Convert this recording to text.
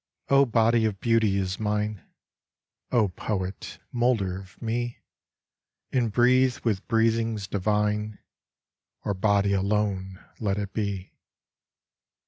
A body of beauty is mine. O poet, moulder of me, Inbreathe with breathings divine, Or body alone let it be.